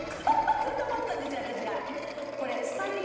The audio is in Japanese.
ずっと持ってたんです私が。